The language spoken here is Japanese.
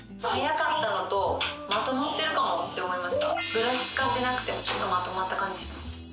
ブラシ使ってなくてもまとまった感じします